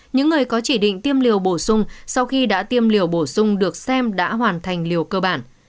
những người có chỉ định tiêm liều bổ sung sau khi đã tiêm liều bổ sung được xem đã hoàn thành liều cơ bản